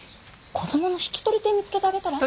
子供の引き取り手見つけてあげたら？